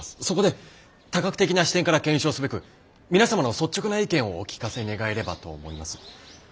そこで多角的な視点から検証すべく皆様の率直な意見をお聞かせ願えればと思います。